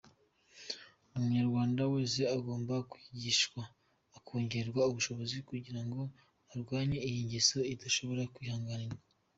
Umunyarwanda wese agomba kwigishwa akongererwa ubushobozi kugira ngo arwanye iyi ngeso idashobora kwihanganirwa.